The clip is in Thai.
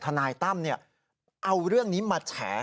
ทนายตั้มเนี่ยเอาเรื่องนี้มาแฉ